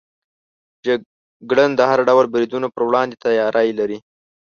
جګړن د هر ډول بریدونو پر وړاندې تیاری لري.